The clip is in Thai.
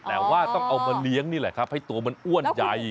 แต่ว่าต้องเอามาเลี้ยงนี่แหละครับให้ตัวมันอ้วนใหญ่